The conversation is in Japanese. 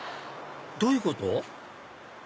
どういうこと？